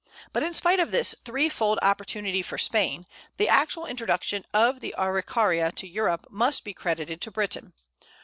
But in spite of this three fold opportunity for Spain, the actual introduction of the Araucaria to Europe must be credited to Britain.